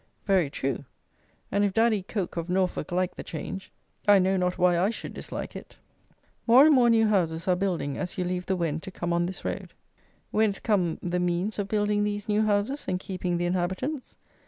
Very true, and if Daddy Coke of Norfolk like the change, I know not why I should dislike it. More and more new houses are building as you leave the Wen to come on this road. Whence come the means of building these new houses and keeping the inhabitants?